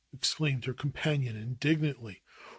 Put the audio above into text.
exclaimed her companion indignantly.